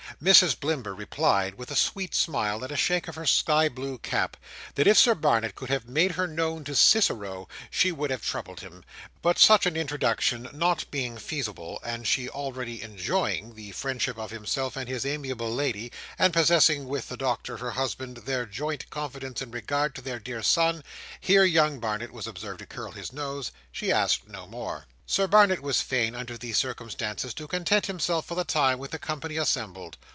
Mrs Blimber replied, with a sweet smile and a shake of her sky blue cap, that if Sir Barnet could have made her known to Cicero, she would have troubled him; but such an introduction not being feasible, and she already enjoying the friendship of himself and his amiable lady, and possessing with the Doctor her husband their joint confidence in regard to their dear son—here young Barnet was observed to curl his nose—she asked no more. Sir Barnet was fain, under these circumstances, to content himself for the time with the company assembled.